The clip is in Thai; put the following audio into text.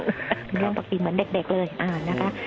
เรื่องปกติเหมือนเด็กเลยนะคะ